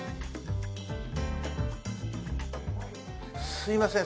すいません